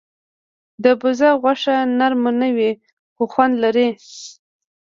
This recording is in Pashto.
د بزه غوښه نرم نه وي، خو خوند لري.